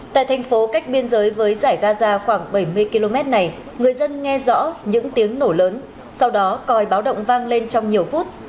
tại thành phố cách biên giới với giải gaza khoảng bảy mươi km này người dân nghe rõ những tiếng nổ lớn sau đó coi báo động vang lên trong nhiều phút